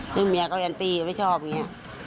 คือเมียเขาก็ยังตีไม่ชอบอย่างนี้